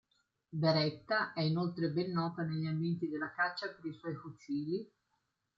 Beretta è inoltre ben nota negli ambienti della caccia per i suoi fucili.